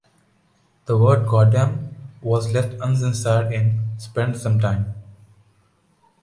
The word "goddamn" was left uncensored in "Spend Some Time.